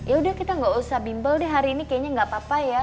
ya udah kita nggak usah bimbel deh hari ini kayaknya nggak apa apa ya